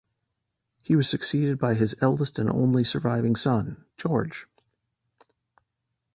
He was succeeded by his eldest and only surviving son, George.